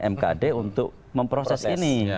mkd untuk memproses ini